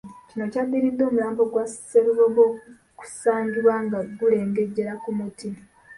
Kino kyaddiridde omulambo gwa Sserubogo okusangibwa nga gulengejjera ku muti.